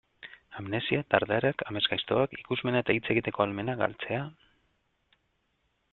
Amnesia, dardarak, amesgaiztoak, ikusmena eta hitz egiteko ahalmena galtzea...